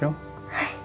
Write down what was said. はい。